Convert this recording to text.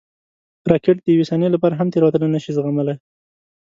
راکټ د یوې ثانیې لپاره هم تېروتنه نه شي زغملی